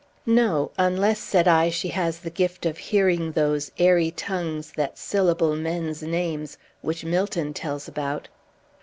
"No; unless," said I, "she has the gift of hearing those 'airy tongues that syllable men's names,' which Milton tells about."